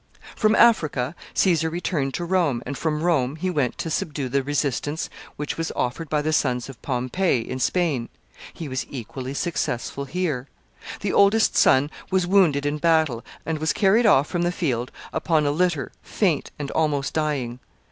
] From Africa Caesar returned to Rome, and from Rome he went to subdue the resistance which was offered by the sons of Pompey in Spain. He was equally successful here. The oldest son was wounded in battle, and was carried off from the field upon a litter faint and almost dying.